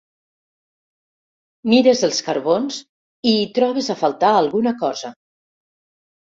Mires els carbons i hi trobes a faltar alguna cosa.